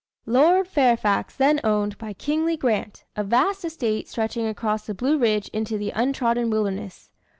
Lord Fairfax then owned, by kingly grant, a vast estate stretching across the Blue Ridge into the untrodden wilderness.